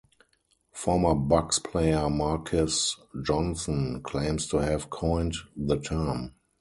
Former Bucks player Marques Johnson claims to have coined the term.